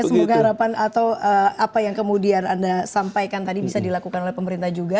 semoga harapan atau apa yang kemudian anda sampaikan tadi bisa dilakukan oleh pemerintah juga